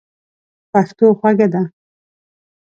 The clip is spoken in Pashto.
پښتو خوږه ده.